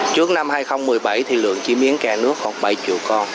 trước năm hai nghìn một mươi bảy thì lượng chim yến càng nước khoảng bảy triệu con